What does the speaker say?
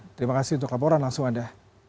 terima kasih untuk laporan langsung anda